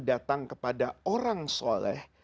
datang kepada orang soleh